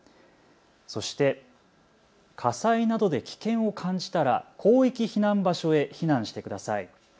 そして火災などで危険を感じたら広域避難場所へ避難してください。